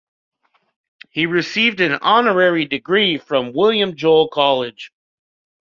He received an honorary degree from William Jewell College.